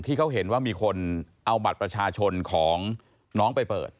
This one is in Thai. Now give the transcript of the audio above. ที่เขาเห็นว่ามีคนเอาบัตรประชาชนของน้องไปเปิด